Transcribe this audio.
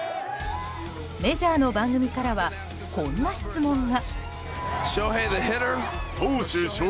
メジャーの番組からはこんな質問が。